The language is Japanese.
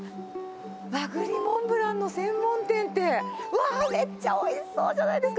和栗モンブランの専門店って、わー、めっちゃおいしそうじゃないですか。